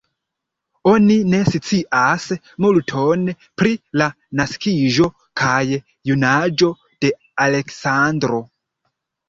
Oni ne scias multon pri la naskiĝo kaj junaĝo de Aleksandro.